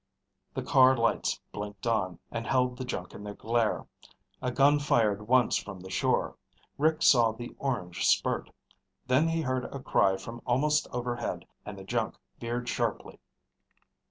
The car lights blinked on, and held the junk in their glare. A gun fired once from the shore. Rick saw the orange spurt. Then he heard a cry from almost overhead and the junk veered sharply.